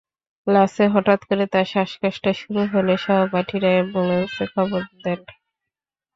ক্লাসে হঠাৎ করে তাঁর শ্বাসকষ্ট শুরু হলে সহপাঠীরা অ্যাম্বুলেন্সে খবর দেন।